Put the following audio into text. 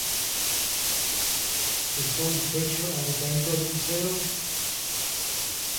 They sold the picture at a bankruptcy sale.